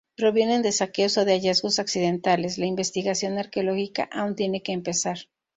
Provienen de saqueos o de hallazgos accidentales; la investigación arqueológica aún tiene que empezar.